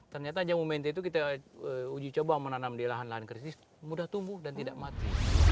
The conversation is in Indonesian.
ternyata jamu mente itu kita uji coba menanam di lahan lahan krisis mudah tumbuh dan tidak mati